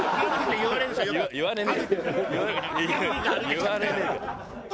言われねえよ。